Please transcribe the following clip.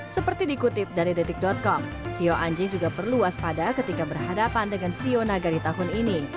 seperti dikutip dari detik com sio anjing juga perlu as pada ketika berhadapan dengan sio nagari tahun ini